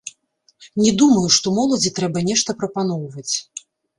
Не думаю, што моладзі трэба нешта прапаноўваць.